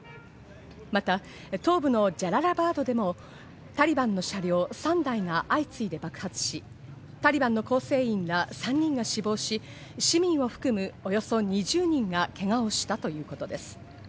また東部のジャララバードでもタリバンの車両３台が相次いで爆発し、タリバンの構成員ら３人が死亡し、市民を含むおよそ２０人がけがをしたということです。